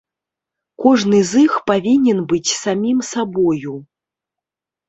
Кожны з іх павінен быць самім сабою.